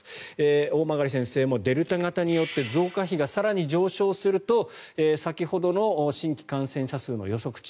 大曲先生も、デルタ型によって増加比が更に上昇すると先ほどの新規感染者数の予測値